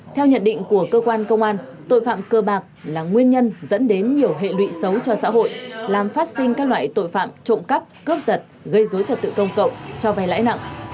theo nhận định của cơ quan công an tội phạm cơ bạc là nguyên nhân dẫn đến nhiều hệ lụy xấu cho xã hội làm phát sinh các loại tội phạm trộm cắp cướp giật gây dối trật tự công cộng cho vay lãi nặng